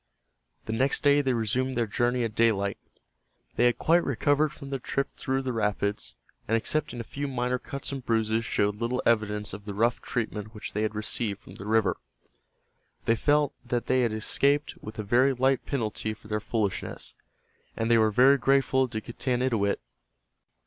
The next day they resumed their journey at daylight. They had quite recovered from their trip through the rapids, and excepting a few minor cuts and bruises showed little evidence of the rough treatment which they had received from the river. They felt that they had escaped with a very light penalty for their foolishness, and they were very grateful to Getanittowit.